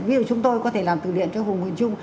ví dụ chúng tôi có thể làm từ liện cho hùng quỳnh trung